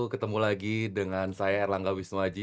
ketemu lagi dengan saya erlangga wisnuwaji